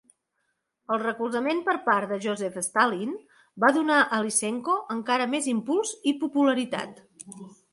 El recolzament per part de Joseph Stalin va donar a Lysenko encara més impuls i popularitat.